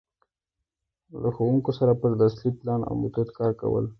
له ښـوونکو سره پر درسي پـلان او میتود کـار کول.